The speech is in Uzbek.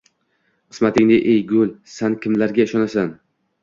Qismatingni, ey goʼl, san, kimlarga ishonasan?!